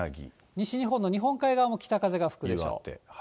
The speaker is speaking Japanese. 西日本の日本海側も北風が吹くでしょう。